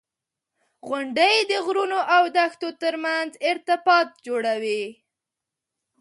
• غونډۍ د غرونو او دښتو ترمنځ ارتباط جوړوي.